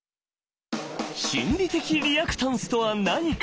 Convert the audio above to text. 心理的リアクタンスとは何か？